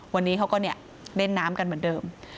วันนี้เขาก็เล่นน้ำกันเหมือนเดิม